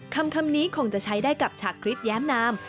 คำนี้คงจะใช้ได้กับฉากคริสแย้มนาม